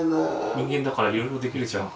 人間だからいろいろできるじゃん。